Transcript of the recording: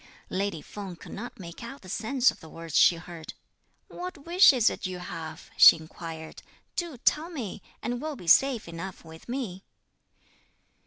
Lady Feng could not make out the sense of the words she heard. "What wish is it you have?" she inquired, "do tell me, and it will be safe enough with me."